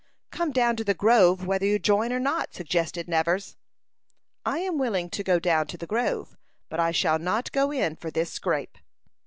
"Come down to the grove, whether you join or not," suggested Nevers. "I am willing to go down to the grove, but I shall not go in for this scrape."